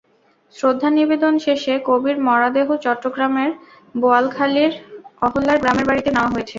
শ্রদ্ধা নিবেদন শেষে কবির মরদেহ চট্টগ্রামের বোয়ালখালীর অহল্যার গ্রামের বাড়িতে নেওয়া হয়েছে।